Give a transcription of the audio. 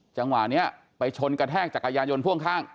จังหวะเนี้ยไปชนกระแทกจักรยายนปภ้อมคล่าง